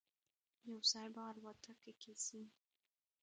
یو ځای به الوتکه کې ځی.